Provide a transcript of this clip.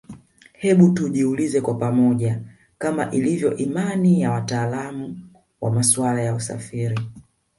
Hebu tujiulize kwa pamoja Kama ilivyo imani ya watalaamu wa masuala ya usafiri